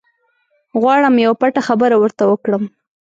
غواړم یوه پټه خبره ورته وکړم.